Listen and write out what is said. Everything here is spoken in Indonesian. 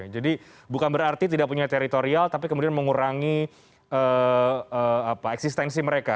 jadi bukan berarti tidak punya teritorial tapi kemudian mengurangi eksistensi mereka